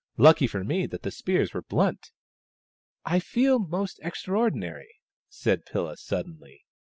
" Lucky for me that the spears were blunt !"" I feel most extraordinary," said Pilla, suddenly.